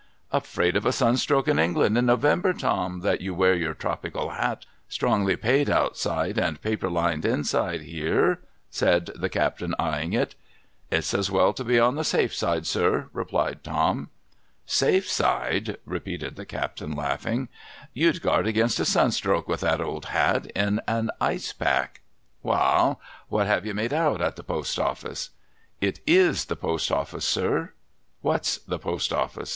' Afraid of a sun stroke in England in November, Tom, that you wear your tropical hat, strongly paid outside and paper lined inside, here ?' said the captain, eyeing it. ' It's as well to be on the safe side, sir,' replied Tom. ' vSafe side !' repeated the captain, laughing. ' You'd guard against a sun stroke, with that old hat, in an Ice Pack. ■\^'a'aI ! What have you made out at the Post office ?'' It is the Post office, sir.' ' What's the Post office